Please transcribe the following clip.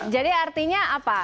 jadi artinya apa